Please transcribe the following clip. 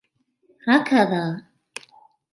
ركض.